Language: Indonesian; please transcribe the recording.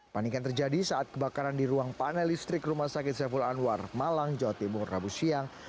panikan terjadi saat kebakaran di ruang panel listrik rumah sakit saiful anwar malang jawa timur rabu siang